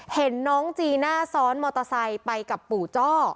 เห็นน้องจีน่าซ้อนมอเตอร์ไซค์ไปกับปู่จ้อ